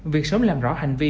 việc sớm làm rõ hành vi